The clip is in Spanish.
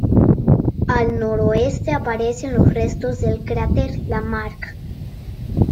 Al noroeste aparecen los restos del cráter Lamarck.